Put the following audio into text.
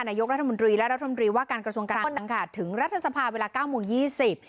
นายกรัฐมนตรีและรัฐมนตรีว่าการกระทรวงการคลังค่ะถึงรัฐสภาเวลาเก้าโมงยี่สิบ